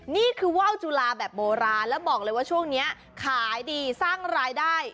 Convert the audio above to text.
นี่คือว่าวจุลาแบบโบราณแล้วบอกเลยว่าช่วงนี้ขายดีสร้างรายได้